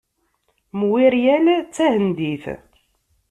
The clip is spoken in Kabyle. Muiriel d tahendit.